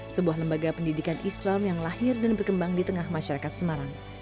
sebuah lembaga pendidikan islam yang lahir dan berkembang di tengah masyarakat semarang